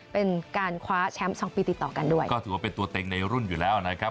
เป็นการคว้าแชมป์สองปีติดต่อกันด้วยก็ถือว่าเป็นตัวเต็งในรุ่นอยู่แล้วนะครับ